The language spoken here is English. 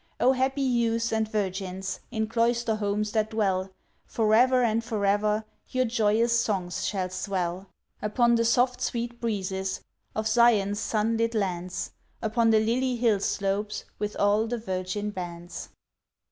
O happy youths and virgins! In cloister homes that dwell, For ever and for ever Your joyous songs shall swell— Upon the soft sweet breezes Of Zion's sun lit lands— Upon the lily hill slopes, With all the virgin bands.